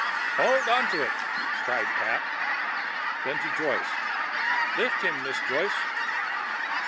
"Hold on to it!" cried Pat. Then to Joyce, "Lift him, Miss Joyce."